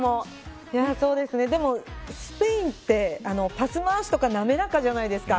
スペインってパス回しとか滑らかじゃないですか。